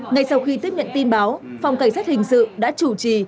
ngay sau khi tiếp nhận tin báo phòng cảnh sát hình sự đã chủ trì